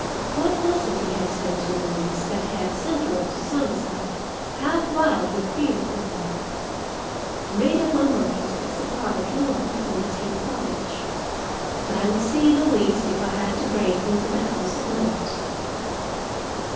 What was it he had said to Louise, that had sent her up to Sunnyside, half wild with fear for him? I made up my mind, as the car drew up before the Tate cottage, that I would see Louise if I had to break into the house at night.